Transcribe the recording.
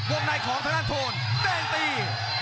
วงไนของทางด้านโทนเต้นตี